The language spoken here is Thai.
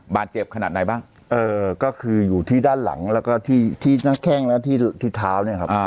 บาดเจ็บขนาดไหนบ้างเอ่อก็คืออยู่ที่ด้านหลังแล้วก็ที่ที่หน้าแข้งและที่เท้าเนี่ยครับ